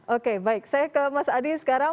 oke baik saya ke mas adi sekarang